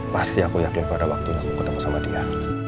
pasti aku yakin pada waktunya aku ketemu sama dia